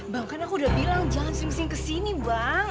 bang kan aku udah bilang jangan sing sing ke sini bang